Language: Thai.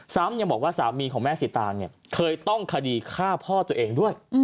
ยังบอกว่าสามีของแม่สิตางเนี่ยเคยต้องคดีฆ่าพ่อตัวเองด้วย